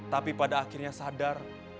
tapi pada akhirnya sadar